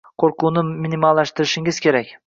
Qoʻrquvni minimallashtirishing kerak.